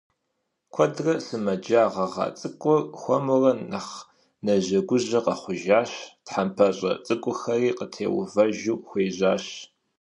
Куэдрэ сымэджа гъэгъа цIыкIур хуэмурэ нэхъ нэжэгужэ къэхъужащ, тхьэмпэщIэ цIыкIухэри къытеувэжу хуежьащ.